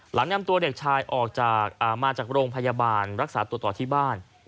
หลังนำตัวเด็กชายออกมาจากโรงพยาบาลรักษาตัวต่อที่บ้าน